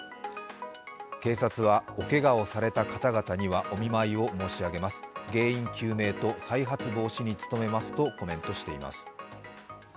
警察は、おけがをされた方々にはお見舞いを申し上げます、原因究明と再発防止に努めますとコメントしています。